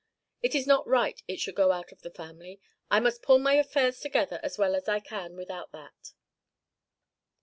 It is not right it should go out of the family. I must pull my affairs together as well as I can without that.'